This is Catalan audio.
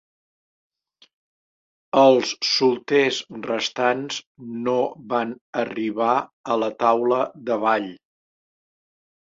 Els solters restants no van arribar a la taula de ball.